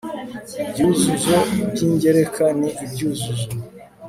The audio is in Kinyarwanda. ibyuzuzo by'ingereka ni ibyuzuzo